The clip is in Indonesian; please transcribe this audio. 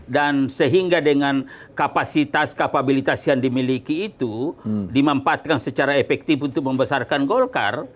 dan sehingga dengan kapasitas kapabilitas yang dimiliki itu dimampatkan secara efektif untuk membesarkan golkar